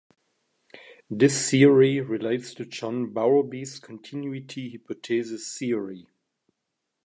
This theory relates to John Bowlby's Continuity hypothesis theory.